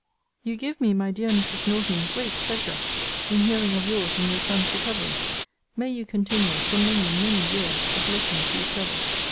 You give me, my dear Mrs. Norton, great pleasure in hearing of your's and your son's recovery. May you continue, for many, many years, a blessing to each other!